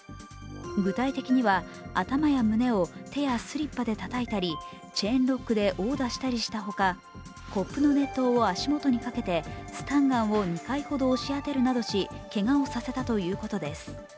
具体的には、頭や胸を手やスリッパでたたいたり、チェーンロックで殴打したりしたほか、コップの熱湯を足元にかけてスタンガンを２回ほど押し当てるなどし、けがをさせたということです。